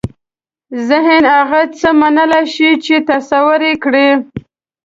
ذهن هغه څه منلای شي چې تصور یې کړي.